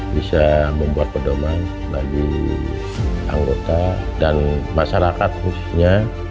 bisa membuat pedoman bagi anggota dan masyarakat khususnya